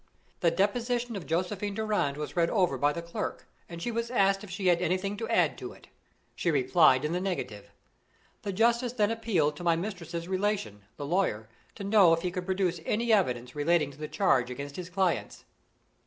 The deposition of Josephine Durand was read over by the clerk, and she was asked if she had anything to add to it. She replied in the negative. The justice then appealed to my mistress's relation, the lawyer, to know if he could produce any evidence relating to the charge against his clients.